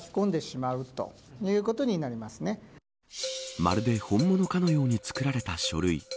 まるで本物かのように作られた書類。